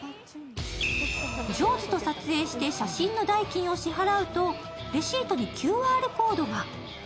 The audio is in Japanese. ジョーズと撮影して写真の代金を支払うとレシートにＱＲコードが。